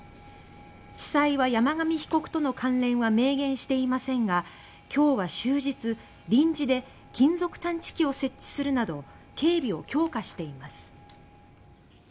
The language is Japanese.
地裁は山上被告との関連は明言していませんが今日は終日、臨時で金属探知機を設置するなど警備を強化しています。